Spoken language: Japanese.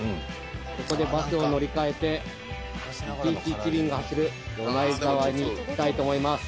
ここでバスを乗り換えて１日１便が走る米内沢に行きたいと思います。